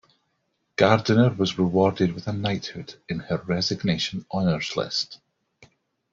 Gardiner was rewarded with a knighthood in her resignation honours list.